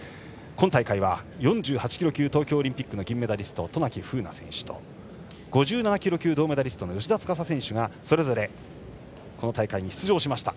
今大会は４８キロ級東京オリンピックの銀メダリスト、渡名喜風南選手と５７キロ級銅メダリストの芳田司選手がそれぞれこの大会に出場しました。